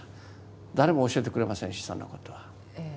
誰も教えてくれませんしそんなことは。